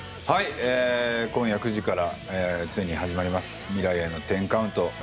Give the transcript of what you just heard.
今夜９時からついに始まります「未来への１０カウント」。